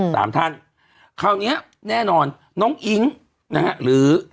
สามท่านคราวเนี้ยแน่นอนน้องอิ๊งนะฮะหรือ